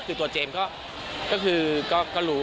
คือตัวเจมส์ก็รู้